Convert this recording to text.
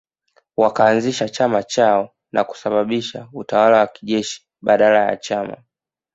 Wakaanzisha chama chao na kusababisha utawala wa kijeshi badala ya chama